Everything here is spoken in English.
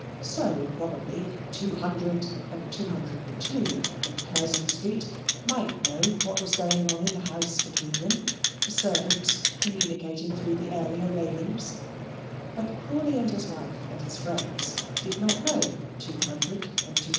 So, probably, 200 and 202 in Curzon Street might know what was going on in the house between them, the servants communicating through the area railings; but Crawley and his wife and his friends did not know 200 and 202.